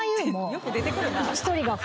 よく出て来るな。